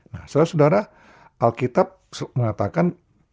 saudara saudara alkitab mengatakan